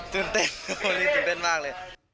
ตื่นเต้นตื่นเต้นมากเลย